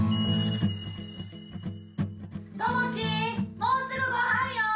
もうすぐご飯よ